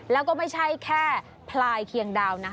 แล้วก็ไม่ใช่แค่พลายเคียงดาวนะ